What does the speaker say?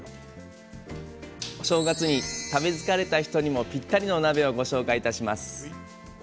お正月に食べ疲れた人にもぴったりの鍋をご紹介いたします。